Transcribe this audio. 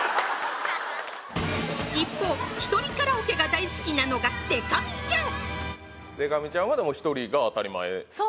一方１人カラオケが大好きなのがでか美ちゃん